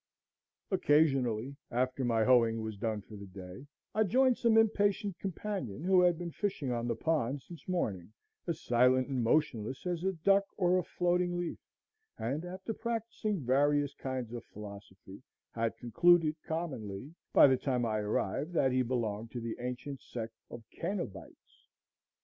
Occasionally, after my hoeing was done for the day, I joined some impatient companion who had been fishing on the pond since morning, as silent and motionless as a duck or a floating leaf, and, after practising various kinds of philosophy, had concluded commonly, by the time I arrived, that he belonged to the ancient sect of Cœnobites.